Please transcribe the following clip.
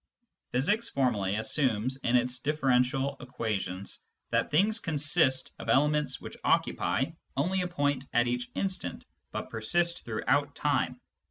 Physics, formally, assumes in its differential equations that things consist of elements which occupy only a point at each instant, but persist throughout time.